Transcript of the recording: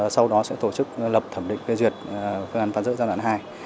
sau đó sẽ tổ chức lập thẩm định phê duyệt phương án phá rỡ giai đoạn hai